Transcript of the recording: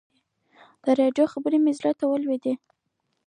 د ډرایور خبره مې زړه ته ولوېده.